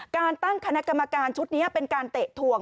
การตั้งคณะกรรมการชุดนี้เป็นการเตะถ่วง